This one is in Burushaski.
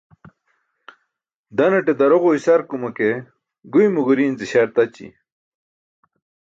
Daanaṭe daroġo isarkuma ke guymo guriin ce śar taći.